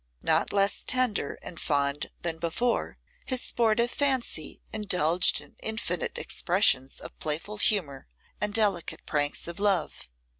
Not less tender and fond than before, his sportive fancy indulged in infinite expressions of playful humour and delicate pranks of love.